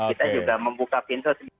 kita juga membuka pintu